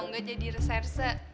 gak jadi reserse